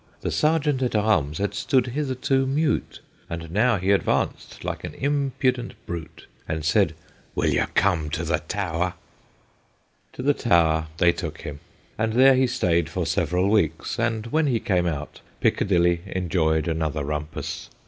The sergeant at arms had stood hitherto mute, And now he advanced like an impudent brute, And said, " Will you come to the Tower 1 "' To the Tower they took him, and there he stayed for several weeks, and when he came out, Piccadilly enjoyed another rumpus.